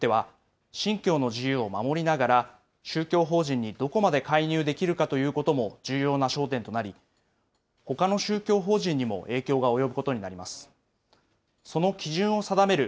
初めての質問権の行使を巡っては、信教の自由を守りながら、宗教法人にどこまで介入できるかということも、重要な焦点となり、ほかの宗教法人にも影響が及ぶことになります。